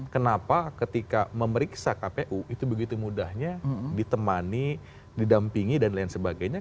kenapa ketika memeriksa kpu itu begitu mudahnya ditemani didampingi dan lain sebagainya